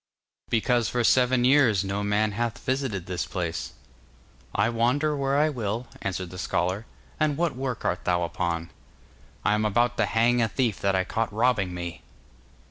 'Because for seven years no man hath visited this place.' 'I wander where I will,' answered the scholar. 'And what work art thou upon?' 'I am about to hang a thief that I caught robbing me!